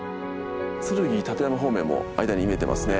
剱・立山方面も間に見えてますね。